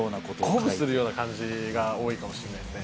鼓舞するようなことが多いかもしれないです。